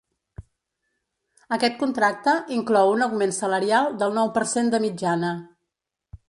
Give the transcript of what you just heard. Aquest contracte inclou un augment salarial del nou per cent de mitjana.